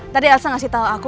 tadi elsa ngasih tahu aku